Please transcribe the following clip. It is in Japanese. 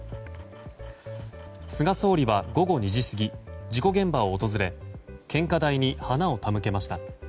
菅総理は午後２時過ぎ事故現場を訪れ献花台に花を手向けました。